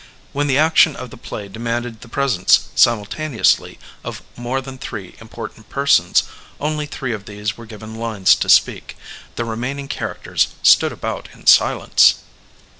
When the action of the play demanded the presence simnltaneously of more than three important persons, only three of these were given lines to speak; the remaining char acters stood about in silence.